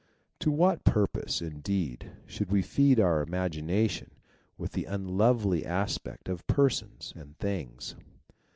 To what purpose, in deed, should we feed our imagination with the un lovely aspect of persons and things